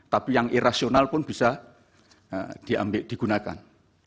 tapi yang irasional pun bisa digunakan